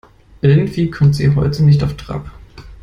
Irgendwie kommt sie heute nicht auf Trab.